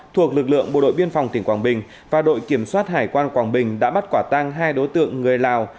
thuộc lực lượng bộ đội biên phòng tỉnh quảng bình và đội kiểm soát hải quan quảng bình đã bắt quả tang hai đối tượng người lào